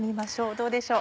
どうでしょう？